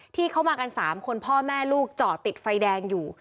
ที่เขามากัน๓คนพ่อแม่ลูกจอดติดไฟแดงอยู่